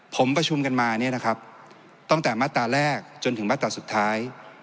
ผมประชุมกันมาตั้งแต่มาตราแรกจนถึงมาตราสุดท้าย